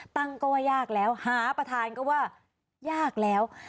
ตั้งก็ว่ายากแล้วหาประธานก็ว่ายากแล้ว